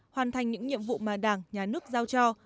hoàn thành những nhiệm vụ mà đảng nhà nước giao cho